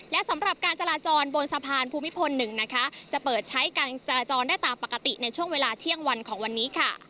และสำหรับการจราจรบนสะพานภูมิพล๑นะคะจะเปิดใช้การจราจรได้ตามปกติในช่วงเวลาเที่ยงวันของวันนี้ค่ะ